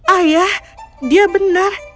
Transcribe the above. ayah dia benar